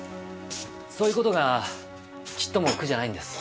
そういう事がちっとも苦じゃないんです。